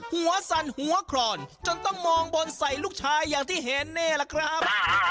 สั่นหัวครอนจนต้องมองบนใส่ลูกชายอย่างที่เห็นนี่แหละครับ